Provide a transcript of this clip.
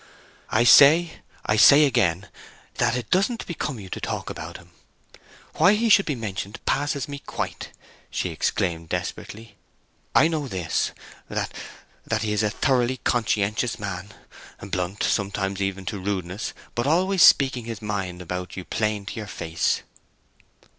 "I say—I say again—that it doesn't become you to talk about him. Why he should be mentioned passes me quite!" she exclaimed desperately. "I know this, th th that he is a thoroughly conscientious man—blunt sometimes even to rudeness—but always speaking his mind about you plain to your face!"